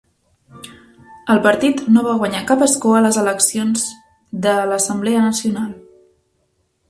El partit no va guanyar cap escó a les eleccions de l'Assemblea Nacional.